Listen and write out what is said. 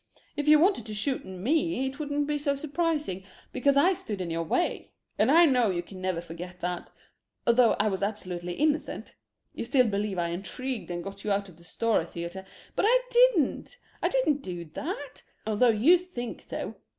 If you wanted to shoot me it wouldn't be so surprising, because I stood in your way and I know you can never forget that although I was absolutely innocent. You still believe I intrigued and got you out of the Stora theatre, but I didn't. I didn't do that, although you think so.